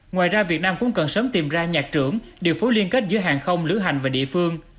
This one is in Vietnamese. ngoài ra việt nam cũng cần sớm tìm ra nhạc trưởng điều phối liên kết giữa hàng không lữ hành và địa phương